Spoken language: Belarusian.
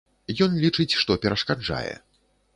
Ён лічыць, што перашкаджае.